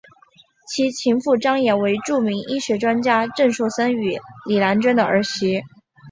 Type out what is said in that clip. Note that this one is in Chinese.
其情妇张琰为著名医学专家郑树森与李兰娟的儿媳。